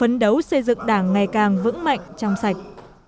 lực đảng ngày càng vững mạnh trong sạch